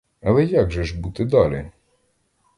Але як же ж бути далі?